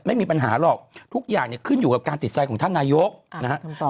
ไม่มีปัญหาหรอกทุกอย่างเนี่ยขึ้นอยู่กับการติดใจของท่านนายกนะฮะ